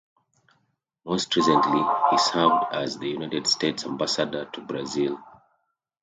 Most recently, he served as the United States Ambassador to Brazil.